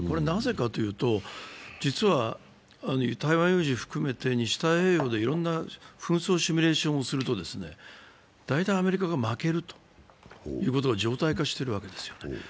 なぜかというと、実は台湾有事含めて西太平洋でいろいろな紛争シミュレーションをすると、大体アメリカが負けるということが常態化してるわけですよね。